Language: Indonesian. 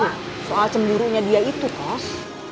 tuh soal cendurunya dia itu kos